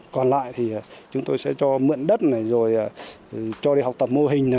còn lại thì chúng tôi sẽ cho mượn đất này rồi cho đi học tập mô hình này